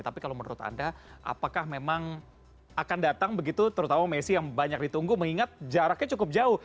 tapi kalau menurut anda apakah memang akan datang begitu terutama messi yang banyak ditunggu mengingat jaraknya cukup jauh